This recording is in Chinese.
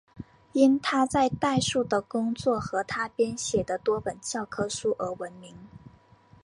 因他在代数的工作和他编写的多本教科书而闻名。